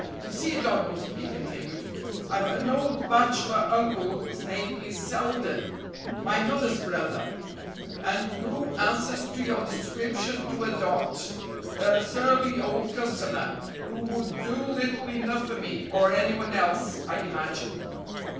You see, Donald," he continued, "I've an old bachelor uncle whose name is Selden my mother's brother and who answers to your description to a dot a surly old customer, who would do little enough for me, or any one else, I imagine."